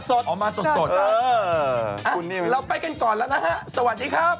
ออกมาสดเราไปกันก่อนแล้วนะฮะสวัสดีครับ